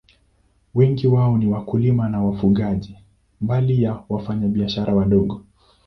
Wengi wao ni wakulima na wafugaji, mbali ya wafanyabiashara wadogo.